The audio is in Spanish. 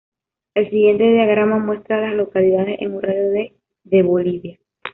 El siguiente diagrama muestra a las localidades en un radio de de Bolivia.